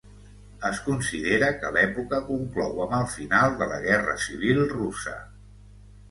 Es considera que l'època conclou amb el final de la Guerra Civil Russa.